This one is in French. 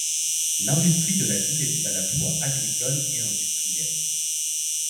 L'industrie de la ville était à la fois agricoles et industriels.